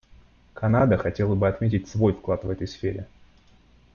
Канада хотела бы отметить свой вклад в этой сфере.